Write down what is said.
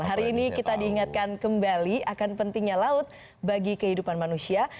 hari ini kita diingatkan kembali akan pentingnya laut bagi kehidupan manusia